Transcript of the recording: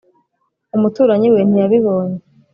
umuturanyi we ntiya bibonye